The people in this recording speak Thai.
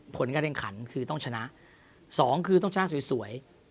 ผลการแข่งขันคือต้องชนะ๒คือต้องชนะสวย